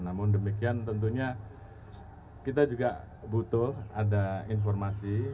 namun demikian tentunya kita juga butuh ada informasi